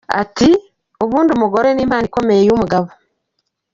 Ati, Ubundi umugore ni impano ikomeye yumugabo.